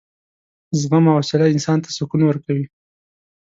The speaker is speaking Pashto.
زغم او حوصله انسان ته سکون ورکوي.